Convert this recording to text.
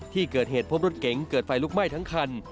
ที่เกิดเหตุพบรถเก๋งเกิดไฟลุกไหม้ทั้งคัน